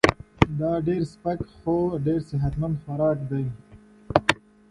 It is a very light yet healthy dish.